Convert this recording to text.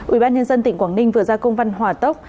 ủy ban nhân dân tỉnh quảng ninh vừa ra công văn hòa tốc